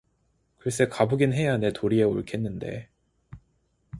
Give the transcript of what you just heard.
글세, 가보긴 해야 내 도리에 옳겠는데